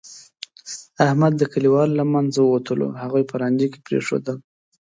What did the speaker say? احمد د کلیوالو له منځه ووتلو، هغوی په لانجه کې پرېښودل.